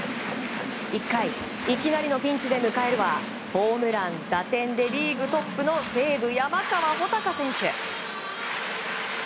１回、いきなりのピンチで迎えるはホームラン、打点でリーグトップの西武、山川穂高選手。